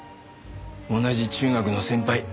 同じ中学の先輩。